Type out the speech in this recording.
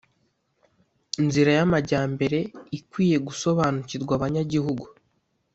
Nzira yamajyambere ikwiye gusobanukirwa abanyagihugu